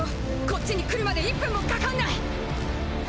こっちに来るまで１分もかかんない。